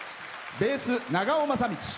ベース、長尾雅道。